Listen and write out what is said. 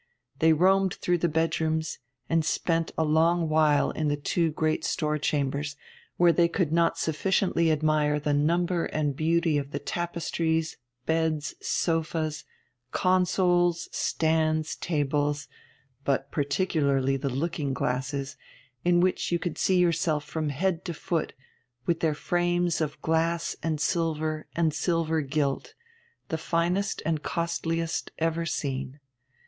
They roamed through the bedrooms and spent a long while in the two great store chambers, where they could not sufficiently admire the number and beauty of the tapestries, beds, sofas, consoles, stands, tables, but particularly the looking glasses, in which you could see yourself from head to foot, with their frames of glass and silver and silver gilt, the finest and costliest ever seen.